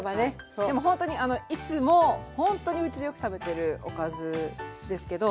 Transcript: でもほんとにいつもほんとにうちでよく食べてるおかずですけど。